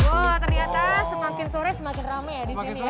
wah ternyata semakin sore semakin rame ya di sini ya